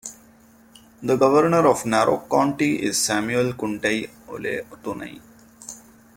The governor of Narok county is Samuel Kuntai Ole Tunai.